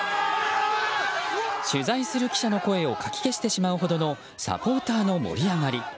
取材する記者の声をかき消してしまうほどのサポーターの盛り上がり。